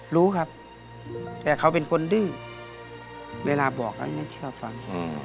รู้ครับแต่เขาเป็นคนดื้อเวลาบอกอันนี้เชื่อฟัง